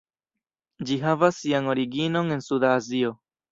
Ĝi havas sian originon en Suda Azio.